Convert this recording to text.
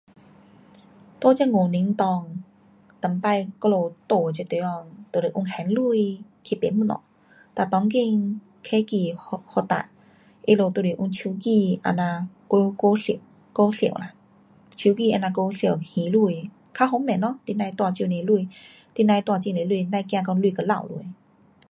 在这五年内，以前我们住的这地方，就是用线钱去买东西，哒当今科技发达，他们都是用手机这样过，过数。过数啦。手机这样过数还钱，较方便咯。你甭带很多钱。你甭带很多钱。甭怕讲钱给掉下。